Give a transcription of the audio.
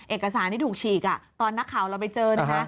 เอกสารที่ถูกฉีกตอนนักข่าวเราไปเจอนะ